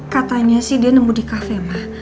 katanya sih dia nemu di kafe ma